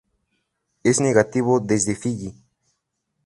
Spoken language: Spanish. Es nativo desde Fiyi.